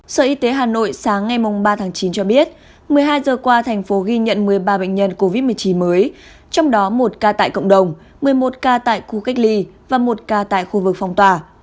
sở y tế hà nội sáng ngày ba tháng chín cho biết một mươi hai giờ qua thành phố ghi nhận một mươi ba bệnh nhân covid một mươi chín mới trong đó một ca tại cộng đồng một mươi một ca tại khu cách ly và một ca tại khu vực phòng tòa